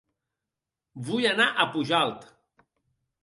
Vull anar a Pujalt